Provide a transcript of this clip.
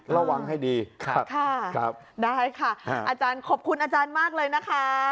ระวังให้ดีได้ค่ะอาจารย์ขอบคุณอาจารย์มากเลยนะคะ